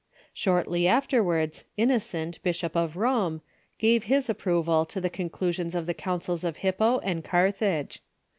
Shortly afterwards, Inno cent, Bishop of Rome, gave his approval to the conclusions of the councils of Hippo and Carthage.